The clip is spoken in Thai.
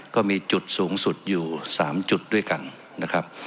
ก็มีจุดสูงสุดอยู่๓จุดด้วยกันนะครับ